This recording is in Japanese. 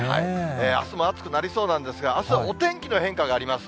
あすも暑くなりそうなんですが、あすはお天気の変化があります。